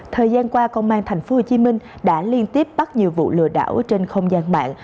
thời gian qua công an tp hcm đã liên tiếp bắt nhiều vụ lừa đảo trên không gian mạng